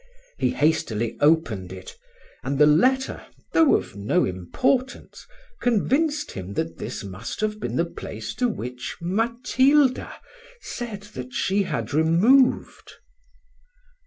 He hastily opened it; and the letter, though of no importance, convinced him that this must have been the place to which Matilda said that she had removed.